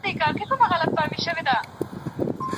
بس تر مرګه به مو هلته یارانه وي